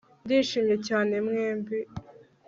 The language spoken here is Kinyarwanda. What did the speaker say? Ndishimye cyane mwembi